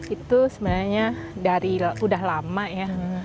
itu sebenarnya dari udah lama ya